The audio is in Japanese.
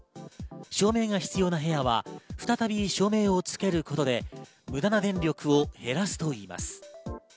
照明が必要な部屋は再び照明をつけることで無駄な電力を減らすといいます。